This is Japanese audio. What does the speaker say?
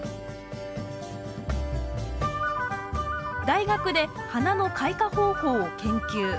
大学で花の開花方法を研究。